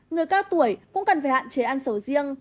người cao tuổi cũng cần phải hạn chế ăn sầu riêng